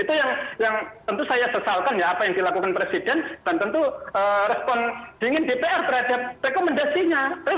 itu yang tentu saya sesalkan ya apa yang dilakukan presiden dan tentu respon dingin dpr terhadap rekomendasinya